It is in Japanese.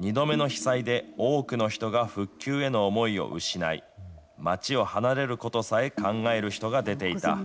２度目の被災で多くの人が復旧への思いを失い、町を離れることさえ考える人が出ていた。